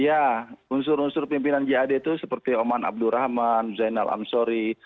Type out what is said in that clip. ya unsur unsur pimpinan jad itu seperti oman abdurrahman zainal amsori